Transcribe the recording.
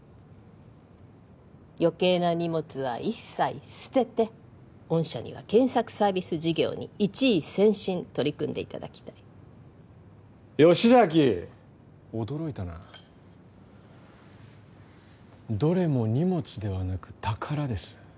余計な荷物は一切捨てて御社には検索サービス事業に一意専心取り組んでいただきたい吉崎驚いたなどれも荷物ではなく宝です